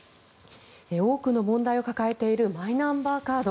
多くの問題を抱えているマイナンバーカード。